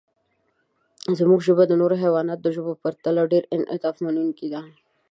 زموږ ژبه د نورو حیواناتو د ژبو په پرتله ډېر انعطافمنونکې ده.